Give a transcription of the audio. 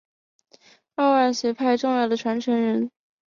二万学派重要传承人。